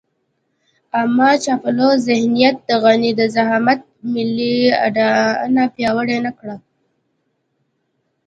اما چاپلوس ذهنيت د غني د زعامت ملي اډانه پياوړې نه کړه.